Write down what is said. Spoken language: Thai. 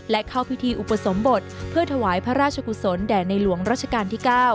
และเข้าพิธีอุปสมบทเพื่อถวายพระราชกุศลแด่ในหลวงรัชกาลที่๙